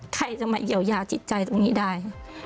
ใครจะมาเยียวยาจิตใจตรงนี้ได้